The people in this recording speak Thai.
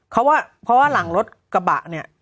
เขาว่าหลังรถกระบะเนี่ย